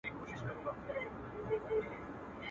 په کټ کټ به یې په داسي زور خندله.